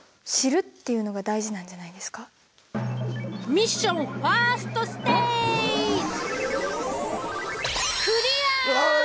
ミッションファーストステージわあえっ！？